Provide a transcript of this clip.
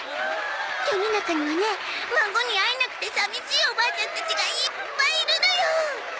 世の中にはね孫に会えなくて寂しいおばあちゃんたちがいっぱいいるのよ。